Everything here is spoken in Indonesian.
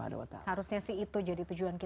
harusnya sih itu jadi tujuan kita ya hilman